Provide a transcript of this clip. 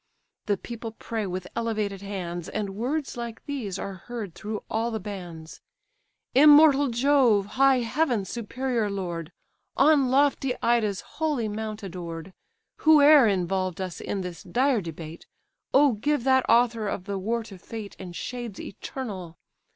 The people pray with elevated hands, And words like these are heard through all the bands: "Immortal Jove, high Heaven's superior lord, On lofty Ida's holy mount adored! Whoe'er involved us in this dire debate, O give that author of the war to fate And shades eternal!